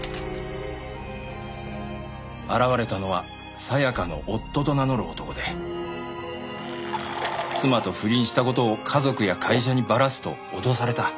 現れたのはさやかの夫と名乗る男で妻と不倫した事を家族や会社にバラすと脅された。